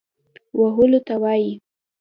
وهلو ته وايي.